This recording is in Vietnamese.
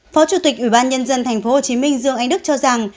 phó chủ tịch ủy ban nhân dân tp hcm dương anh đức cho rằng